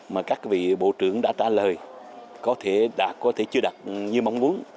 mà các vị bộ trưởng đã trả lời có thể chưa đạt như mong muốn